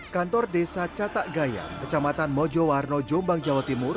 ketua desa catak gaya kecamatan mojo warno jombang jawa timur